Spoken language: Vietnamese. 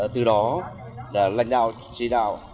từ đó là lãnh đạo chỉ đạo